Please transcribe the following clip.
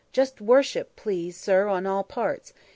Jus' worship, please, sir, on all parts.